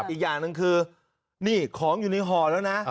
อีกอย่างหนึ่งคือนี่ของอยู่ในห่อแล้วนะ